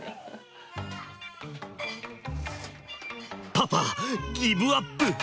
パパギブアップ！